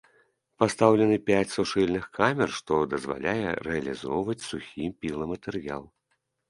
Пастаўлены пяць сушыльных камер, што дазваляе рэалізоўваць сухі піламатэрыял.